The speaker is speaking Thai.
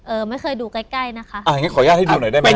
ไม่เคยดูใกล้ใกล้นะคะอ่าอย่างงี้ขออนุญาตให้ดูหน่อยได้ไหม